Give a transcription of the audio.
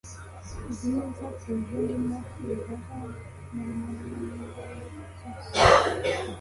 izi nizo proje ndimo kwiga ho mu ndeke